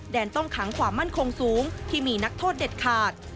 ต้องขังความมั่นคงสูงที่มีนักโทษเด็ดขาด